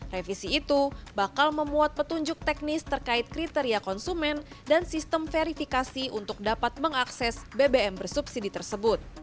revisi itu bakal memuat petunjuk teknis terkait kriteria konsumen dan sistem verifikasi untuk dapat mengakses bbm bersubsidi tersebut